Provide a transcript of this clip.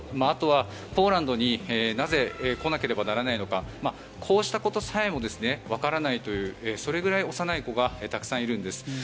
あとはポーランドになぜ、来なければならないのかこうしたことさえもわからないというそれぐらい幼い子がたくさんいるんです。